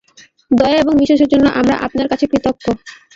দয়া এবং বিশ্বাসের জন্য, আমরা আপনার কাছে কৃতজ্ঞ।